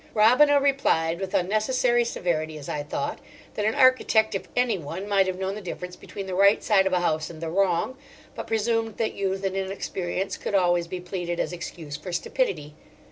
Robina replied, with unnecessary severity as I thought, that an architect, if anyone, might have known the difference between the right side of a house and the wrong; but presumed that youth and inexperience could always be pleaded as excuse for stupidity.